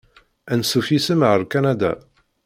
Ansuf yis-m ar Kanada!